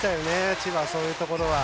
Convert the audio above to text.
千葉、そういうところが。